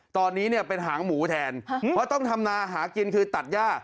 ตอนนี้เนี่ยเป็นหางหมูแทนเพราะต้องทำนาหากินคือตัดย่า